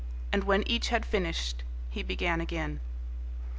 And when each had finished he began again.